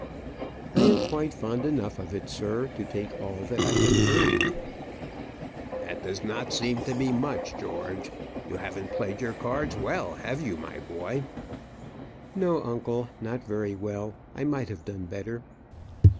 "I am quite fond enough of it, sir, to take all that I can earn." "That does not seem to be much, George. You haven't played your cards well have you, my boy?" "No, uncle; not very well. I might have done better."